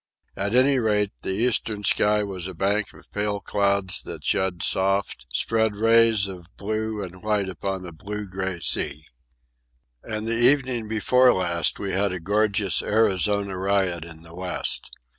At any rate, the eastern sky was a bank of pale clouds that shed soft, spread rays of blue and white upon a blue grey sea. And the evening before last we had a gorgeous Arizona riot in the west.